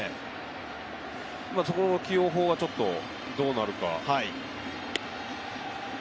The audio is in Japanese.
そこの起用法がちょっとどうなるか。